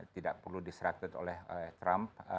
tidak perlu diserakit oleh trump